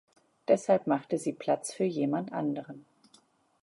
Deshalb machte sie "Platz für jemand anderen".